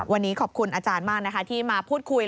วันนี้ขอบคุณอาจารย์มากนะคะที่มาพูดคุย